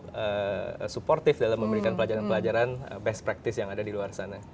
lebih supportif dalam memberikan pelajaran pelajaran best practice yang ada di luar sana